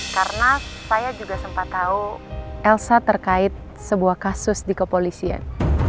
karena saya juga sempat tahu elsa terkait sebuah kasus di kepolisian